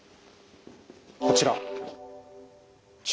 こちら。